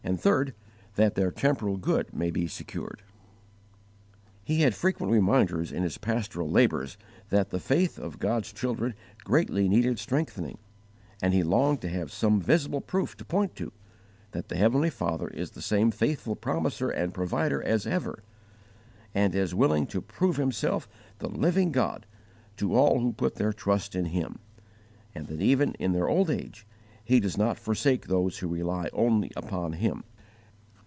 That their temporal good may be secured. He had frequent reminders in his pastoral labours that the faith of God's children greatly needed strengthening; and he longed to have some visible proof to point to, that the heavenly Father is the same faithful Promiser and Provider as ever, and as willing to PROVE Himself the LIVING GOD to all who put their trust in Him, and that even in their old age He does not forsake those who rely only upon Him.